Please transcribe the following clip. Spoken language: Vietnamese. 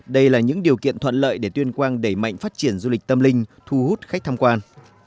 đây là những điều kiện thuận lợi để tuyên quang đẩy mạnh phát triển du lịch tâm linh thu hút khách tham quan